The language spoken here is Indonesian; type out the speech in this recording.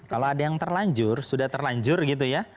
kalau ada yang terlanjur sudah terlanjur gitu ya